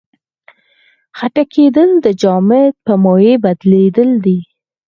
خټکېدل د جامد په مایع بدلیدل دي.